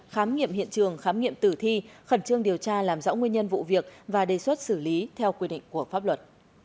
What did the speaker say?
khám nghiệm hiện trường khám nghiệm tử thi khẩn trương điều tra làm rõ nguyên nhân vụ việc và đề xuất xử lý theo quy định của pháp luật